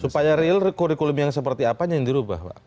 supaya real kurikulum yang seperti apanya yang dirubah pak